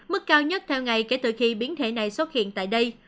mức cao nhất theo ngày kể từ khi biến thể này xuất hiện tại đây